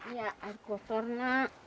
iya air kotor nak